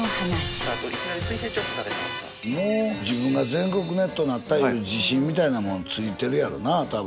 もう自分が全国ネットなったいう自信みたいなもんついてるやろな多分。